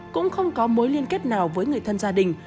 cũng không có mối liên kết nào với người thân gia đình